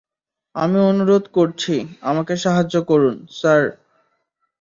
আমি অনুরোধ করছি, আমাকে সাহায্য করুন, স্যার।